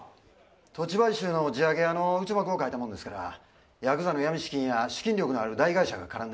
土地買収の地上げ屋の内幕を書いたもんですからやくざの闇資金や資金力のある大会社が絡んでますね。